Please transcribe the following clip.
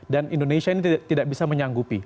dan indonesia ini tidak bisa menyanggupi